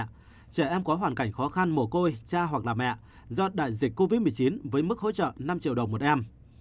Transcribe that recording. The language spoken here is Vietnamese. và trẻ em có hoàn cảnh khó khăn mồ côi cha hoặc là mẹ do đại dịch covid một mươi chín với mức hỗ trợ năm triệu đồng một em